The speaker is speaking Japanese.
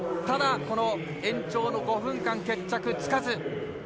ただ、延長の５分間決着つかず。